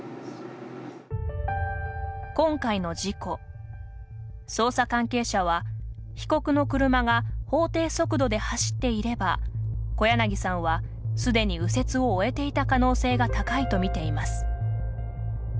今回の事故捜査関係者は被告の車が法定速度で走っていれば小柳さんは既に右折を終えていた可能性が高いと見ています。